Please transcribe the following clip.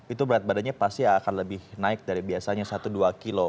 itu berat badannya pasti akan lebih naik dari biasanya satu dua kilo